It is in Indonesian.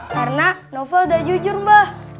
karena novel udah jujur mbah